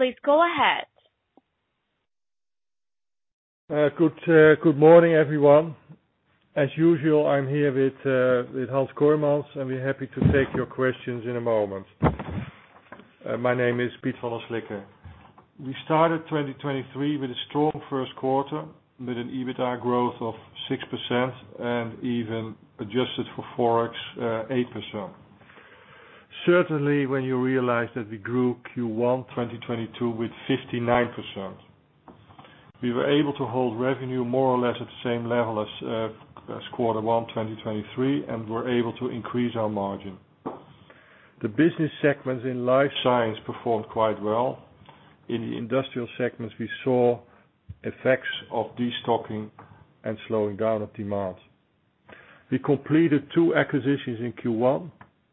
Please go ahead. Good morning, everyone. As usual, I'm here with Hans Kooijmans, and we're happy to take your questions in a moment. My name is Piet van der Slikke. We started 2023 with a strong first quarter, with an EBITDA growth of 6% and even adjusted for forex, 8%. Certainly, when you realize that we grew Q1, 2022 with 59%. We were able to hold revenue more or less at the same level as quarter one, 2023, and we're able to increase our margin. The business segments in Life Science performed quite well. In the industrial segments, we saw effects of destocking and slowing down of demand. We completed two acquisitions in Q1,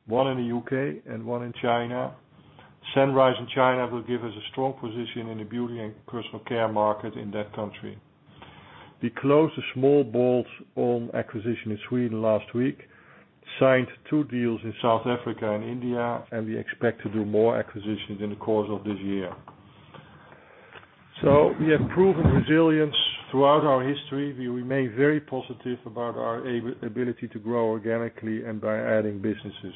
one in the U.K. and one in China. Sunrise in China will give us a strong position in the Beauty & Personal Care market in that country. We closed the small bolt-on acquisition in Sweden last week, signed two deals in South Africa and India, and we expect to do more acquisitions in the course of this year. We have proven resilience throughout our history. We remain very positive about our ability to grow organically and by adding businesses.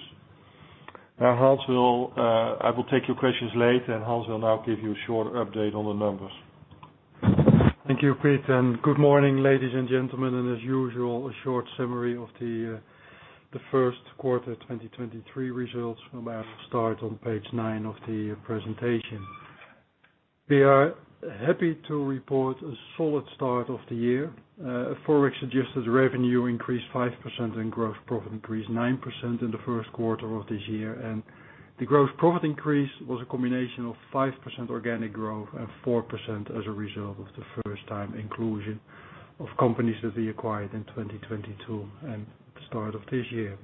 I will take your questions later, and Hans will now give you a short update on the numbers. Thank you, Piet. Good morning, ladies and gentlemen, and as usual, a short summary of the first quarter 2023 results from where I will start on page nine of the presentation. We are happy to report a solid start of the year. forex adjusted revenue increased 5%, and gross profit increased 9% in the first quarter of this year. The gross profit increase was a combination of 5% organic growth and 4% as a result of the first time inclusion of companies that we acquired in 2022 and the start of this year.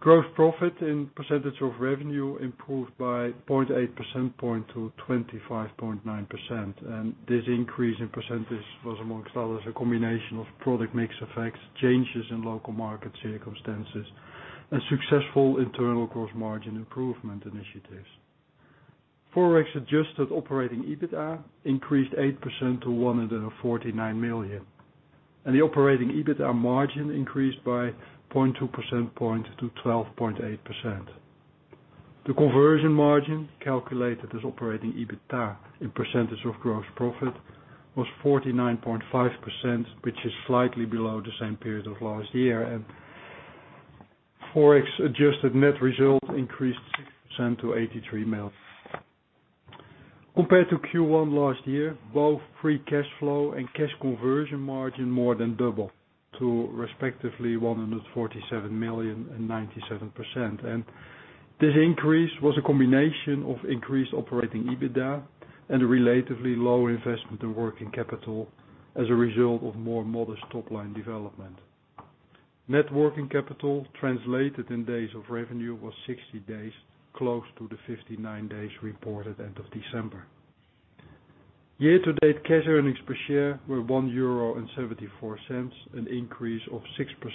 Gross profit in percentage of revenue improved by 0.8%, point to 25.9%. This increase in percentage was amongst others, a combination of product mix effects, changes in local market circumstances and successful internal gross margin improvement initiatives. FOREX adjusted operating EBITDA increased 8% to 149 million. The operating EBITDA margin increased by 0.2% to 12.8%. The conversion margin calculated as operating EBITDA in percentage of gross profit was 49.5%, which is slightly below the same period of last year. forex adjusted net result increased 6% to 83 million. Compared to Q1 last year, both free cash flow and cash conversion margin more than double to respectively 147 million and 97%. This increase was a combination of increased operating EBITDA and a relatively low investment in working capital as a result of more modest top line development. Net working capital translated in days of revenue was 60 days, close to the 59 days reported end of December. Year to date, cash earnings per share were 1.74 euro, an increase of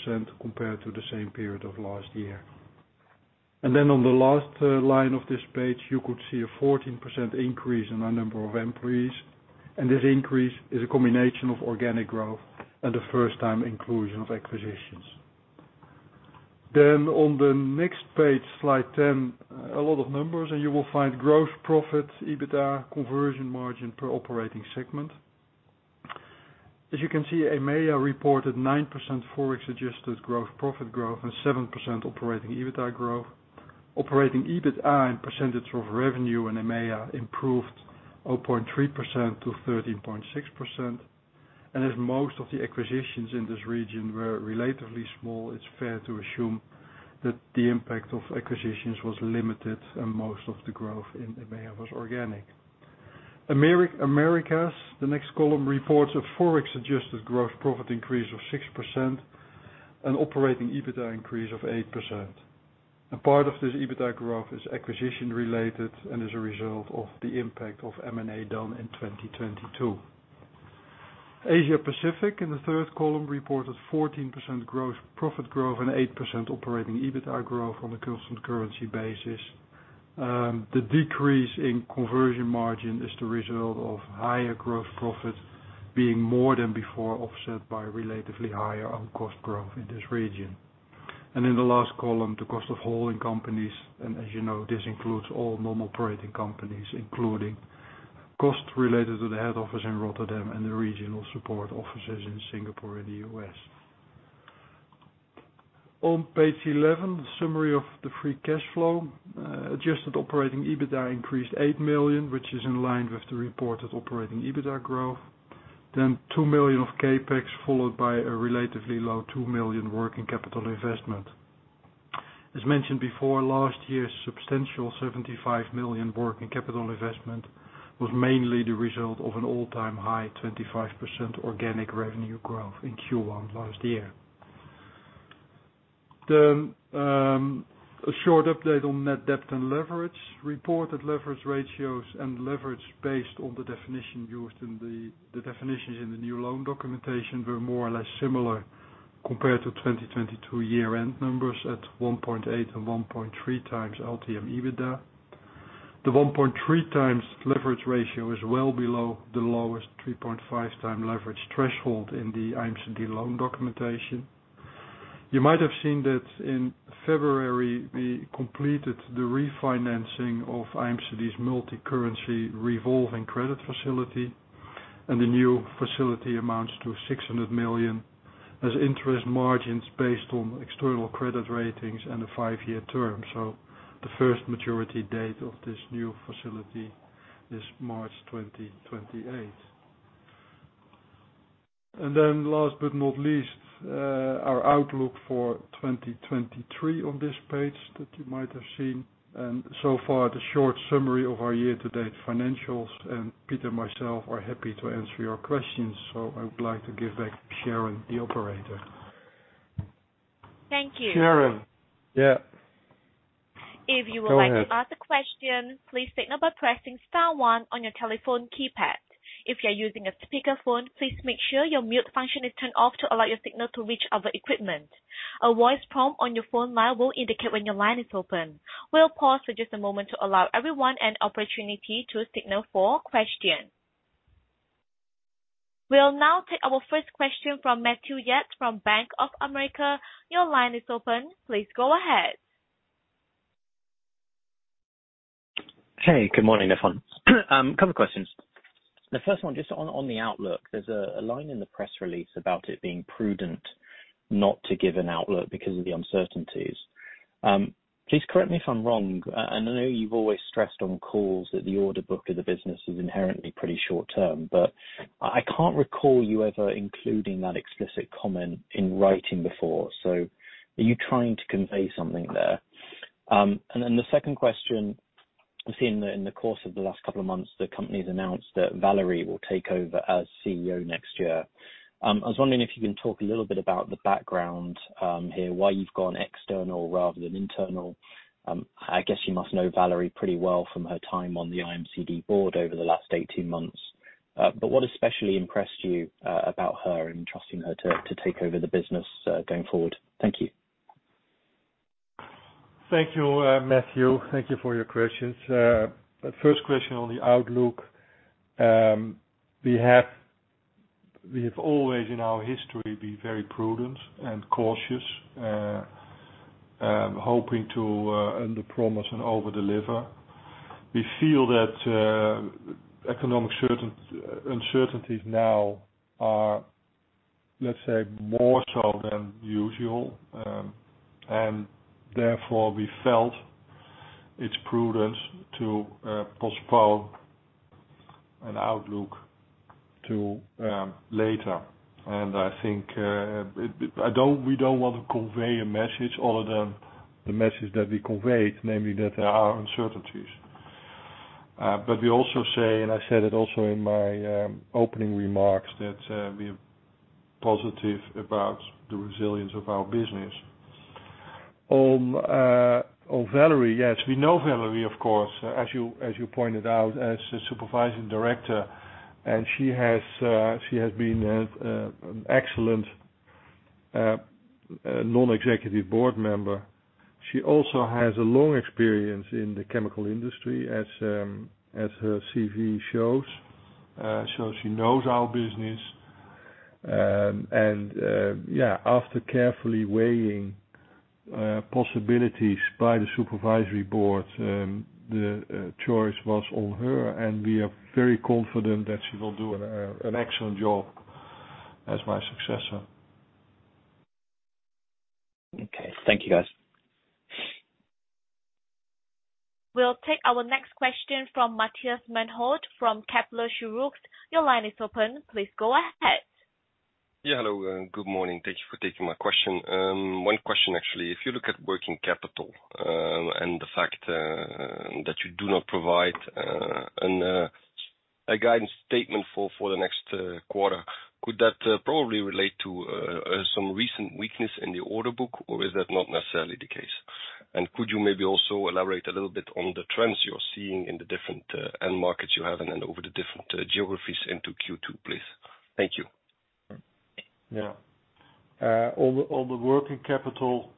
6% compared to the same period of last year. On the last line of this page, you could see a 14% increase in our number of employees. This increase is a combination of organic growth and the first time inclusion of acquisitions. On the next page, slide 10, a lot of numbers, you will find gross profit, EBITDA conversion margin per operating segment. As you can see, EMEA reported 9% FOREX adjusted gross profit growth and 7% operating EBITDA growth. Operating EBITDA in percentage of revenue in EMEA improved 0.3% to 13.6%. As most of the acquisitions in this region were relatively small, it's fair to assume that the impact of acquisitions was limited and most of the growth in EMEA was organic. Americas, the next column reports a forex adjusted gross profit increase of 6% and operating EBITDA increase of 8%. A part of this EBITDA growth is acquisition related and is a result of the impact of M&A done in 2022. Asia Pacific, in the third column, reported 14% growth, profit growth and 8% operating EBITDA growth on a constant currency basis. The decrease in conversion margin is the result of higher growth profits being more than before, offset by relatively higher own cost growth in this region. In the last column, the cost of holding companies, and as you know, this includes all normal operating companies, including costs related to the head office in Rotterdam and the regional support offices in Singapore and the US. On page 11, the summary of the free cash flow. Adjusted operating EBITDA increased 8 million, which is in line with the reported operating EBITDA growth. Two million of CapEx, followed by a relatively low 2 million working capital investment. As mentioned before, last year's substantial 75 million working capital investment was mainly the result of an all-time high 25% organic revenue growth in Q1 last year. A short update on net debt and leverage. Reported leverage ratios and leverage based on the definition used in the definitions in the new loan documentation were more or less similar Compared to 2022 year end numbers at 1.8 and 1.3x LTM EBITDA. The 1.3x leverage ratio is well below the lowest 3.5x leverage threshold in the IMCD loan documentation. You might have seen that in February, we completed the refinancing of IMCD's multicurrency revolving credit facility. The new facility amounts to 600 million as interest margins based on external credit ratings and a five-year term. The first maturity date of this new facility is March 2028. Last but not least, our outlook for 2023 on this page that you might have seen. So far, the short summary of our year to date financials. Piet and myself are happy to answer your questions. I would like to give back Sharon, the operator. Thank you. Sharon. Yeah. If you would like Go ahead ask a question, please signal by pressing star one on your telephone keypad. If you're using a speakerphone, please make sure your mute function is turned off to allow your signal to reach our equipment. A voice prompt on your phone line will indicate when your line is open. We'll pause for just a moment to allow everyone an opportunity to signal for a question. We'll now take our first question from Matthew Yates from Bank of America. Your line is open. Please go ahead. Hey, good morning, everyone. A couple questions. The first one, just on the outlook. There's a line in the press release about it being prudent not to give an outlook because of the uncertainties. Please correct me if I'm wrong, and I know you've always stressed on calls that the order book of the business is inherently pretty short term, but I can't recall you ever including that explicit comment in writing before. Are you trying to convey something there? The second question, we've seen that in the course of the last couple of months, the company's announced that Valerie will take over as CEO next year. I was wondering if you can talk a little bit about the background here, why you've gone external rather than internal. I guess you must know Valerie pretty well from her time on the IMCD board over the last 18 months. What especially impressed you, about her in trusting her to take over the business, going forward? Thank you. Thank you, Matthew. Thank you for your questions. First question on the outlook. We have always in our history been very prudent and cautious, hoping to under promise and over deliver. We feel that economic uncertainties now are, let's say, more so than usual, and therefore we felt it's prudent to postpone an outlook to later. I think, I don't, we don't want to convey a message other than the message that we conveyed, namely that there are uncertainties. We also say, and I said it also in my opening remarks, that we're positive about the resilience of our business. On Valerie, yes, we know Valerie, of course, as you, as you pointed out, as a supervising director, and she has been an excellent non-executive board member. She also has a long experience in the chemical industry as her CV shows. She knows our business. Yeah, after carefully weighing possibilities by the supervisory board, the choice was on her, and we are very confident that she will do an excellent job as my successor. Okay. Thank you, guys. We'll take our next question from Matthias Maenhaut from Kepler Cheuvreux. Your line is open. Please go ahead. Hello and good morning. Thank you for taking my question. One question actually. If you look at working capital, and the fact that you do not provide a guidance statement for the next quarter, could that probably relate to some recent weakness in the order book, or is that not necessarily the case? Could you maybe also elaborate a little bit on the trends you're seeing in the different end markets you have and then over the different geographies into Q2, please? Thank you. On the working capital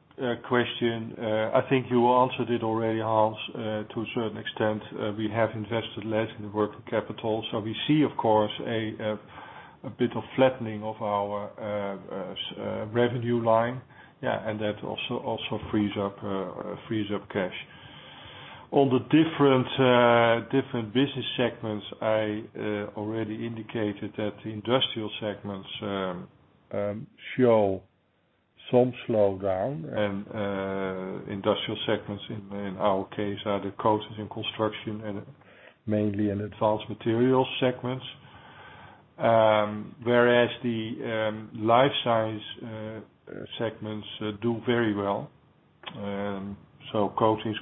question, I think you answered it already, Hans, to a certain extent. We have invested less in net working capital, so we see, of course, a bit of flattening of our revenue line. That also frees up cash. On the different business segments, I already indicated that the industrial segments show some slowdown. Industrial segments in our case are the Coatings & Construction and mainly in Advanced Materials segments. Whereas the Life Science segments do very well. Coatings,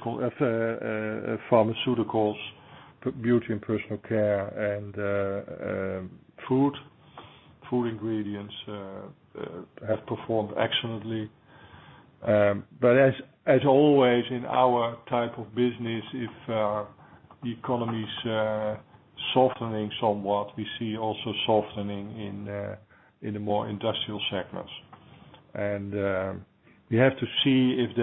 Pharmaceuticals, Beauty & Personal Care and Food. Food ingredients have performed excellently. As always in our type of business, if the economy's softening somewhat, we see also softening in the more industrial segments. We have to see if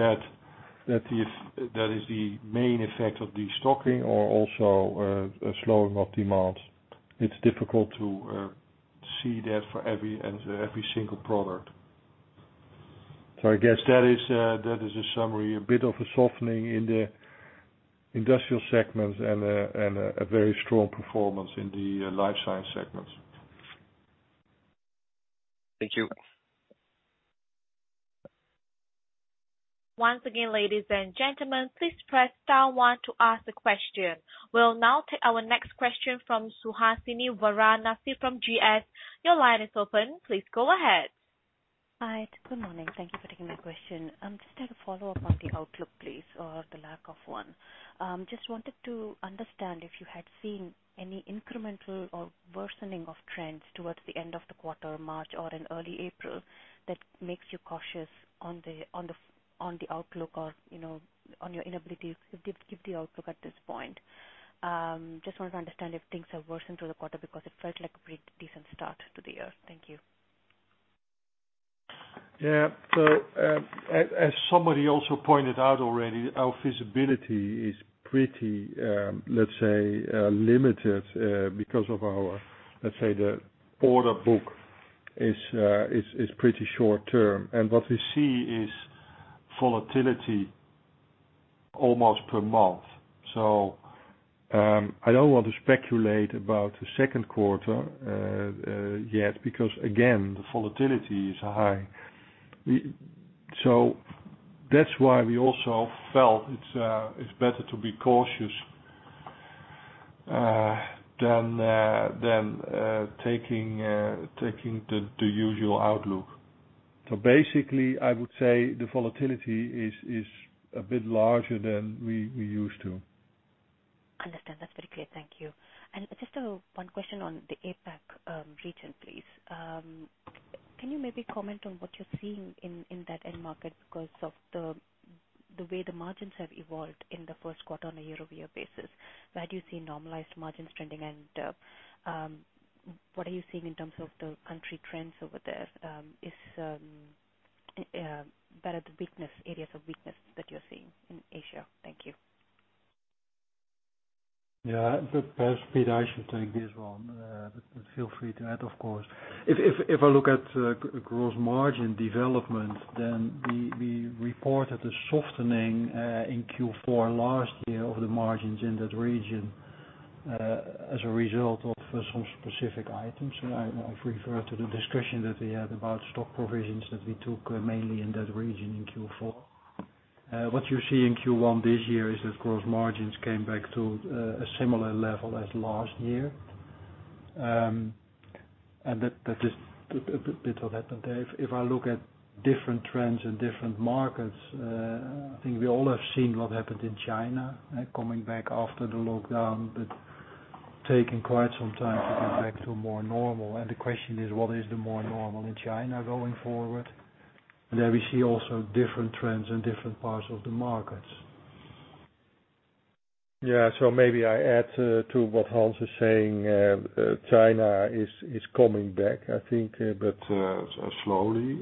that is the main effect of destocking or also a slowing of demand. It's difficult to see that for every single product. I guess that is a summary. A bit of a softening in the industrial segments and a very strong performance in the Life Science segments. Thank you. Once again, ladies and gentlemen, please press star one to ask a question. We'll now take our next question from Suhasini Varanasi from GS. Your line is open. Please go ahead. Hi. Good morning. Thank you for taking my question. Just had a follow-up on the outlook, please, or the lack of one. Just wanted to understand if you had seen any incremental or worsening of trends towards the end of the quarter, March or in early April, that makes you cautious on the outlook or, you know, on your inability to give the outlook at this point. Just wanted to understand if things have worsened through the quarter because it felt like a pretty decent start to the year. Thank you. Yeah. As somebody also pointed out already, our visibility is pretty, let's say, limited, because of our, let's say, the order book is pretty short-term. What we see is volatility almost per month. I don't want to speculate about the second quarter yet, because again, the volatility is high. That's why we also felt it's better to be cautious than taking the usual outlook. Basically, I would say the volatility is a bit larger than we used to. Understand. That's very clear. Thank you. Just one question on the APAC region, please. Can you maybe comment on what you're seeing in that end market because of the way the margins have evolved in the first quarter on a year-over-year basis? Where do you see normalized margins trending, and what are you seeing in terms of the country trends over there? Is what are the weakness, areas of weakness that you're seeing in Asia? Thank you. Yeah. Perhaps, Peter, I should take this one. Feel free to add, of course. If I look at gross margin development, we reported a softening in Q4 last year of the margins in that region, as a result of some specific items. I refer to the discussion that we had about stock provisions that we took mainly in that region in Q4. What you see in Q1 this year is that gross margins came back to a similar level as last year. That is a bit of that. If I look at different trends in different markets, I think we all have seen what happened in China, coming back after the lockdown, but taking quite some time to get back to more normal. The question is, what is the more normal in China going forward? There we see also different trends in different parts of the markets. Yeah. Maybe I add to what Hans is saying. China is coming back, I think, but slowly.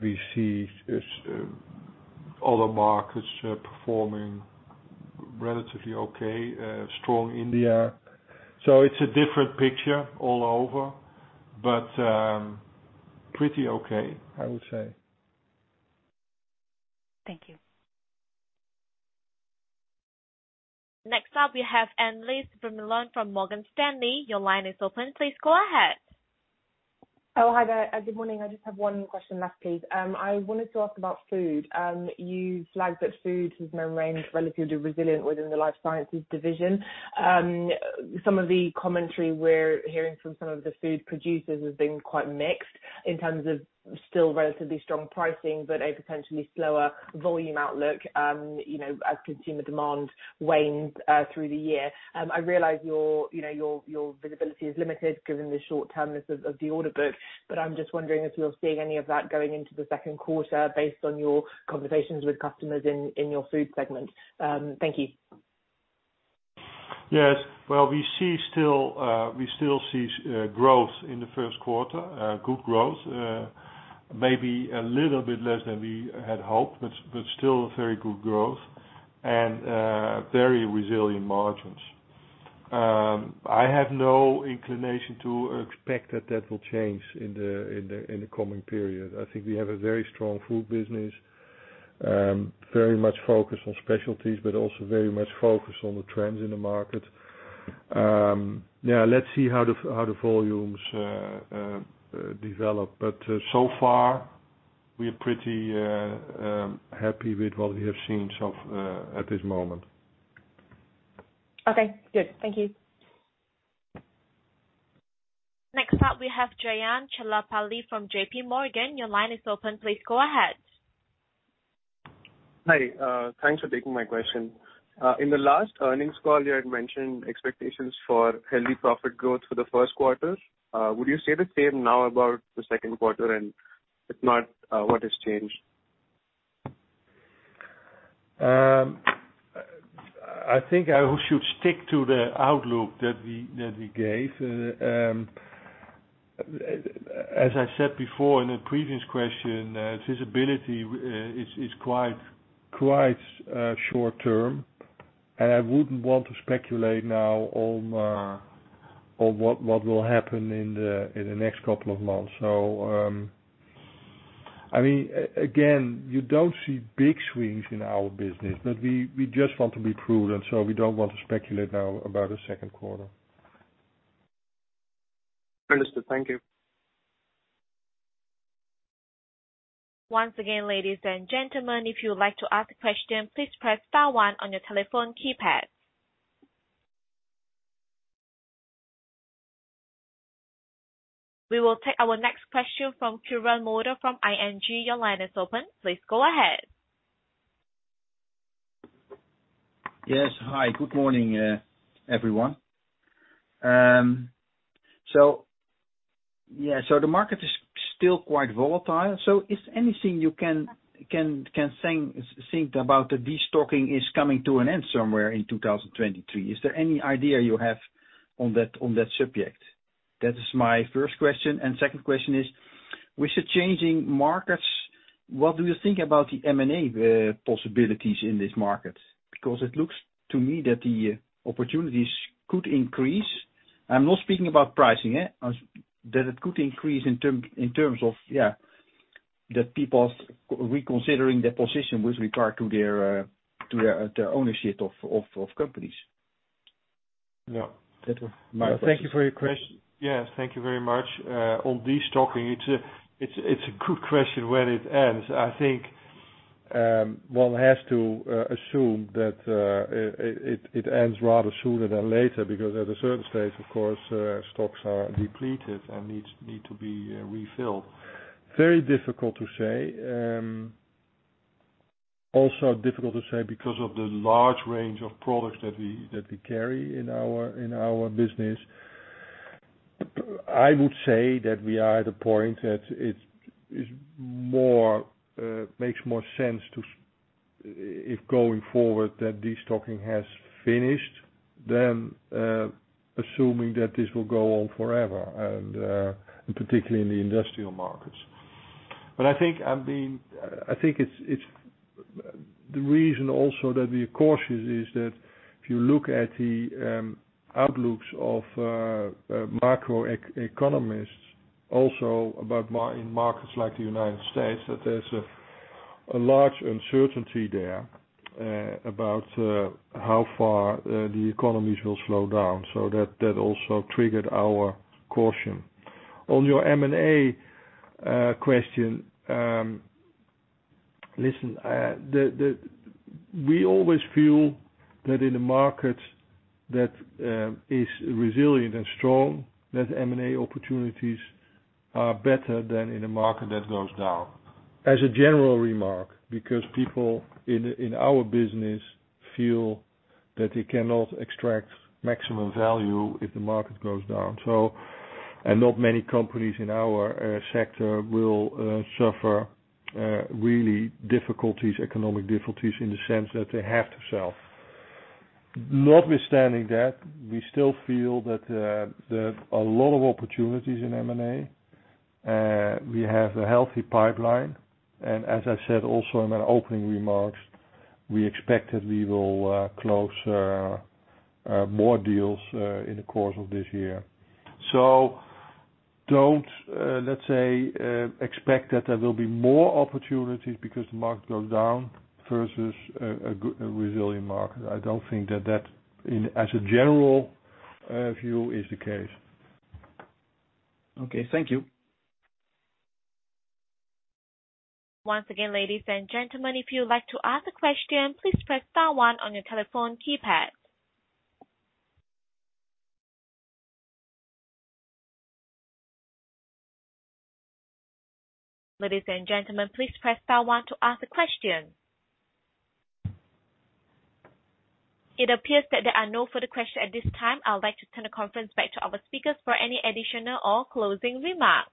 We see other markets performing relatively okay. Strong India. It's a different picture all over, but pretty okay, I would say. Thank you. Next up we have Annelies Vermeulen from Morgan Stanley. Your line is open. Please go ahead. Oh, hi there. Good morning. I just have one question left, please. I wanted to ask about food. You flagged that food has remained relatively resilient within the Life Sciences division. Some of the commentary we're hearing from some of the food producers has been quite mixed in terms of still relatively strong pricing, but a potentially slower volume outlook, you know, as consumer demand wanes through the year. I realize your, you know, your visibility is limited given the short terms of the order book, but I'm just wondering if you're seeing any of that going into the second quarter based on your conversations with customers in your food segment. Thank you. Well, we see still, we still see growth in the first quarter, good growth. Maybe a little bit less than we had hoped, but still very good growth and very resilient margins. I have no inclination to expect that that will change in the coming period. I think we have a very strong food business, very much focused on specialties, but also very much focused on the trends in the market. Let's see how the volumes develop. So far we're pretty happy with what we have seen at this moment. Okay, good. Thank you. Next up, we have Jayan Chellapali from JPMorgan. Your line is open. Please go ahead. Hi, thanks for taking my question. In the last earnings call, you had mentioned expectations for healthy profit growth for the first quarter. Would you say the same now about the second quarter? If not, what has changed? I think I should stick to the outlook that we gave. As I said before in a previous question, visibility is quite short-term. I wouldn't want to speculate now on what will happen in the next couple of months. I mean, you don't see big swings in our business. We just want to be prudent, so we don't want to speculate now about a second quarter. Understood. Thank you. Once again, ladies and gentlemen, if you would like to ask a question, please press star one on your telephone keypad. We will take our next question from Kieran Moto from ING. Your line is open. Please go ahead. Yes. Hi, good morning, everyone. The market is still quite volatile. Is anything you can think about the destocking is coming to an end somewhere in 2023. Is there any idea you have on that subject? That is my first question. Second question is, with the changing markets, what do you think about the M&A possibilities in this market? It looks to me that the opportunities could increase. I'm not speaking about pricing, eh. That it could increase in terms of, yeah, the peoples reconsidering their position with regard to their ownership of companies. Yeah. That was my question. Thank you for your Yeah, thank you very much. On destocking, it's a good question when it ends. I think one has to assume that it ends rather sooner than later because at a certain stage, of course, stocks are depleted and need to be refilled. Very difficult to say. Also difficult to say because of the large range of products that we carry in our business. I would say that we are at a point that it's more makes more sense to if going forward that destocking has finished than assuming that this will go on forever and particularly in the industrial markets. I think, I mean, I think it's... The reason also that we are cautious is that if you look at the outlooks of macroeconomists also in markets like the United States, that there's a large uncertainty there about how far the economies will slow down. That also triggered our caution. On your M&A question, listen, We always feel that in a market that is resilient and strong, that M&A opportunities are better than in a market that goes down. As a general remark, because people in our business feel that they cannot extract maximum value if the market goes down. Not many companies in our sector will suffer really difficulties, economic difficulties in the sense that they have to sell. Notwithstanding that, we still feel that there are a lot of opportunities in M&A. We have a healthy pipeline. As I said also in my opening remarks, we expect that we will close more deals in the course of this year. Don't let's say expect that there will be more opportunities because the market goes down versus a resilient market. I don't think that that in, as a general, view is the case. Okay. Thank you. Once again, ladies and gentlemen, if you would like to ask a question, please press star one on your telephone keypad. Ladies and gentlemen, please press star one to ask a question. It appears that there are no further question at this time. I would like to turn the conference back to our speakers for any additional or closing remarks.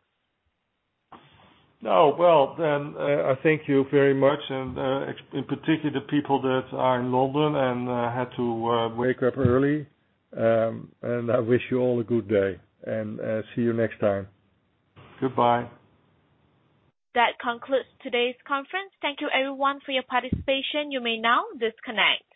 Well, I thank you very much and in particular, the people that are in London and had to wake up early. I wish you all a good day and see you next time. Goodbye. That concludes today's conference. Thank you, everyone, for your participation. You may now disconnect.